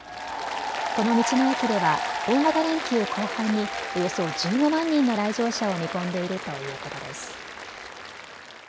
この道の駅では大型連休後半におよそ１５万人の来場者を見込んでいるということです。